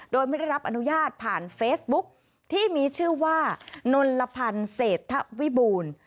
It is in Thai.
โดยไม่ได้รับอนุญาตผ่านเฟซบุ๊กที่มีชื่อว่านนลพันธ์เศรษฐวิบูรณ์